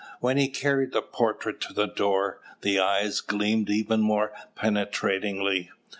When he carried the portrait to the door, the eyes gleamed even more penetratingly.